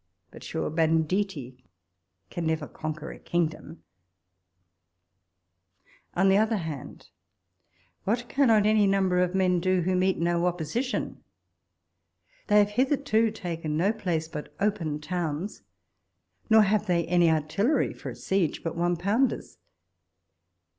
But, sure, banditti can never con quer a kingdom ! On the other hand, what cannot any number of men do who meet no opposition '? They have hitherto taken no place but open towns, nor have they any artillery for a siege but one pounders.